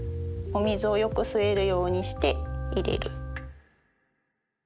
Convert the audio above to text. お水をよく吸えるようにして入れる。